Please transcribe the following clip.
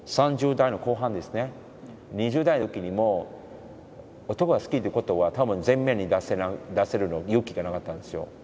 ２０代の時にも男が好きってことは多分全面に出せる勇気がなかったんですよ。